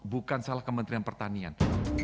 bukan salah kementerian pertanian